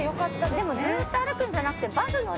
でもずっと歩くんじゃなくて。